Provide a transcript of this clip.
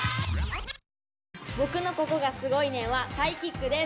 僕のココがすごいねんはタイキックです。